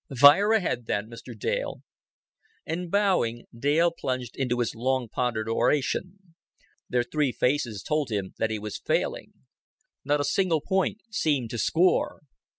"Fire ahead, then, Mr. Dale." And, bowing, Dale plunged into his long pondered oration. Their three faces told him that he was failing. Not a single point seemed to score.